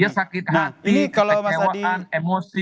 dia sakit hati kekecewaan emosi